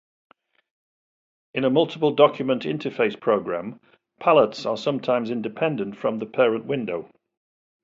In a multiple document interface program, palettes are sometimes independent from the parent window.